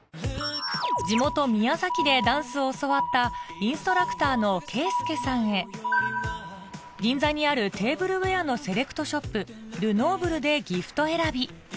地元宮崎でダンスを教わったインストラクターのＫーＳＵＫＥさんへ銀座にあるテーブルウエアのセレクトショップル・ノーブルでギフト選び